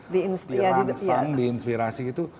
di rangsang di inspirasi itu